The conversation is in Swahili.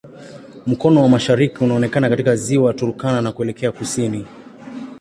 Mkono wa mashariki unaonekana katika Ziwa Turkana na kuelekea kusini.